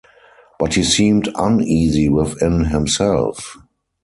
But he seemed uneasy within himself.